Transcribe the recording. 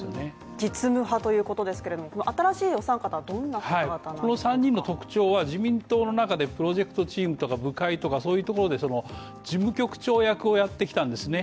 実務派ということですけれども、新しいお三方はどんなこの３人の特徴は自民党の中でプロジェクトチームとか部会とかそういうところでその事務局長役をやってきたんですね。